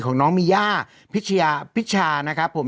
ของน้องมีย่าพิชชานะครับ